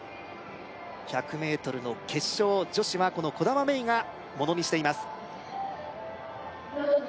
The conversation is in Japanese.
１００ｍの決勝女子はこの兒玉芽生がものにしています